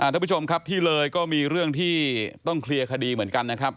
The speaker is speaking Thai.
ทุกผู้ชมครับที่เลยก็มีเรื่องที่ต้องเคลียร์คดีเหมือนกันนะครับ